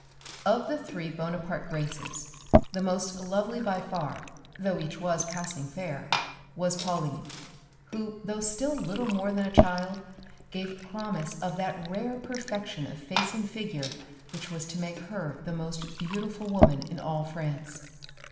Of the three Bonaparte "graces" the most lovely by far (though each was passing fair) was Pauline, who, though still little more than a child, gave promise of that rare perfection of face and figure which was to make her the most beautiful woman in all France.